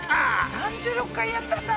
３６回やったんだ。